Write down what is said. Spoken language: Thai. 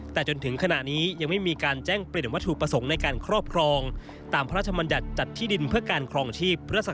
ตามพระราชมัญญัติจัดที่ดินเพื่อการครองชีพพศ๒๕๑๑